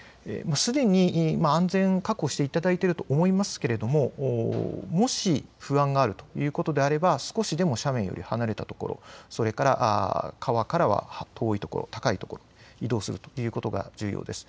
すでに安全を確保していただいていると思いますがもし不安があるということであれば少しでも斜面から離れたところ、それから川からは遠い所、高い所に移動するということが重要です。